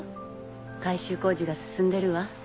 改修工事が進んでるわ。